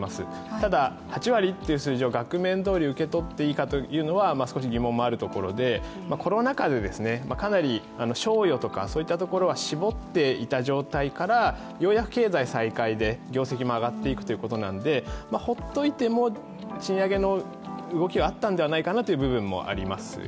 ただ、８割という数字を額面どおり受け取っていいかというのは少し疑問もあるところで、コロナ禍でかなり賞与とか、そういうところを絞っていた状態からようやく経済再開で業績も上がっていくということなんでほっといても賃上げの動きはあったんではないかという部分もあります。